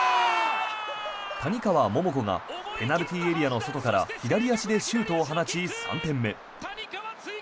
谷川萌々子がペナルティーエリアの外から左足でシュートを放ち、３点目。